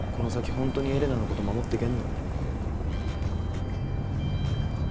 本当にエレナのこと守っていけんの？